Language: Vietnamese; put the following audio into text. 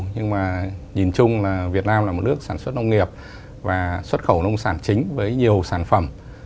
nhưng mà nhìn chung là việt nam là một nước sản xuất nông nghiệp và xuất khẩu nông sản chính với nhiều sản phẩm